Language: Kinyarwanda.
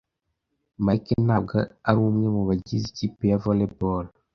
Mike ntabwo ari umwe mubagize ikipe ya volley ball.